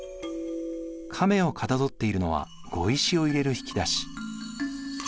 亀をかたどっているのは碁石を入れる引き出し。